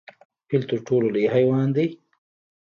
فیل تر ټولو لوی حیوان دی؟